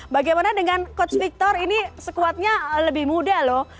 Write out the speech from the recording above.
bagaimana dengan coach victor ini sekuatnya lebih muda loh